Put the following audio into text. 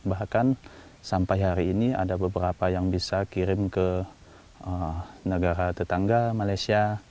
bahkan sampai hari ini ada beberapa yang bisa kirim ke negara tetangga malaysia